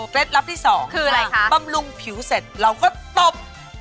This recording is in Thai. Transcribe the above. ลับที่๒คืออะไรบำรุงผิวเสร็จเราก็ตบ